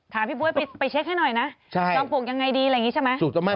พี่บ๊วยไปเช็คให้หน่อยนะจอมปลวกยังไงดีอะไรอย่างนี้ใช่ไหม